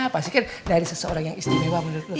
pasti kan dari seseorang yang istimewa menurut lo kan